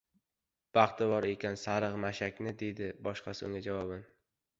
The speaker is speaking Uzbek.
— Baxti bor ekan sariq mashakni! — dedi boshqasi unga javoban.